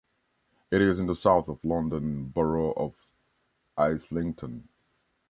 It is in the south of the London Borough of Islington.